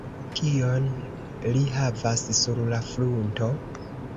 Kion li havas sur la frunto?